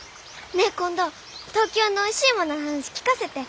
ねえ今度東京のおいしいものの話聞かせて。